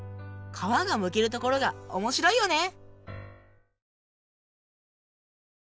皮がむけるところが面白いよね